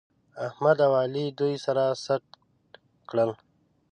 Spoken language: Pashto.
احمد او علي دوی سره سټ کړل